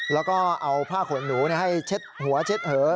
แล้วก็เอาผ้าขนหนูให้เช็ดหัวเช็ดเหอ